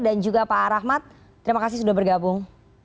dan juga pak rahmat terima kasih sudah bergabung